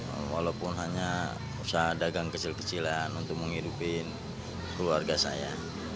saya bisa kembali walaupun hanya usaha dagang kecil kecilan untuk menghidupin keluarga saya